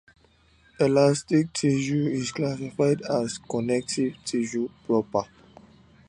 Elastic tissue is classified as "connective tissue proper".